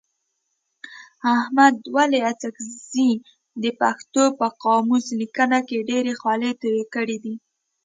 احمد ولي اڅکزي د پښتو په قاموس لیکنه کي ډېري خولې توی کړي دي.